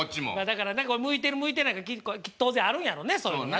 だからな向いてる向いてない当然あるんやろうねそういうのがね。